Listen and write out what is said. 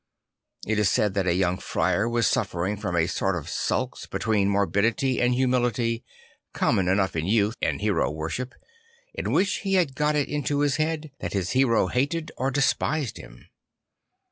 It is said that a young friar was suffer ing from a sort of sulks between morbidity and humility, common enough in youth and hero worship, in which he had got it into his head that his hero hated or despised him.